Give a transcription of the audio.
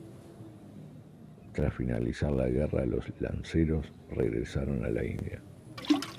Tras finalizar la guerra los lanceros regresaron a la India.